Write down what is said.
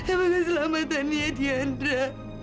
emangnya selamatannya tiandra